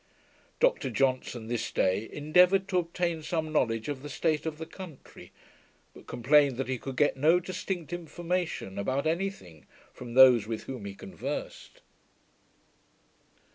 Dr Johnson this day endeavoured to obtain some knowledge of the state of the country; but complained that he could get no distinct information about any thing, from those with whom he conversed.